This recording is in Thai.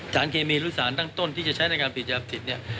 สารเคมีหรือสารตั้งต้นที่จะใช้ในการปิดล้อมสิทธิ์